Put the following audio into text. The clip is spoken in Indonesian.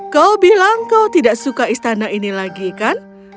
kau bilang kau tidak suka istana ini lagi kan